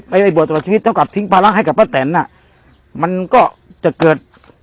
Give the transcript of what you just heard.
ไปบวชตลอดชีวิตเท่ากับทิ้งภาระให้กับป้าแตนอ่ะมันก็จะเกิด